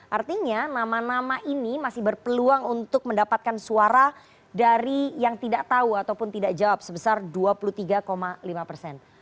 artinya nama nama ini masih berpeluang untuk mendapatkan suara dari yang tidak tahu ataupun tidak jawab sebesar dua puluh tiga lima persen